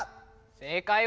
正解は？